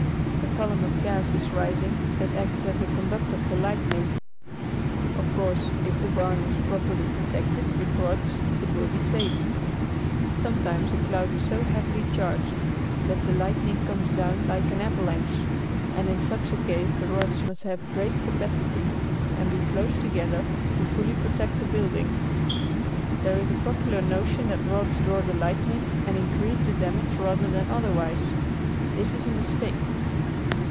A column of gas is rising that acts as a conductor for lightning. Of course if the barn is properly protected with rods it will be safe. Sometimes a cloud is so heavily charged that the lightning comes down like an avalanche, and in such a case the rods must have great capacity and be close together to fully protect a building. There is a popular notion that rods draw the lightning and increase the damage rather than otherwise. This is a mistake.